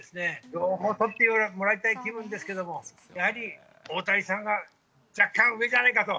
両方とってもらいたい気分ですけども、やはり大谷さんが若干上じゃないかと。